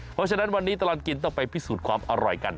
เพราะฉะนั้นวันนี้ตลอดกินต้องไปพิสูจน์ความอร่อยกัน